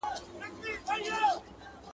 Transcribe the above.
• چي په گرانه ئې رانيسې، په ارزانه ئې مه خرڅوه.